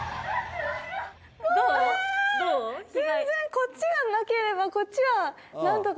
こっちがなければこっちはなんとか。